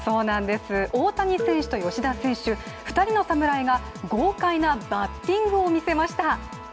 大谷選手と吉田選手、２人の侍が豪快なバッティングを見せました。